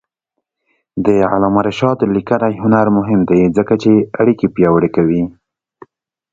د علامه رشاد لیکنی هنر مهم دی ځکه چې اړیکې پیاوړې کوي.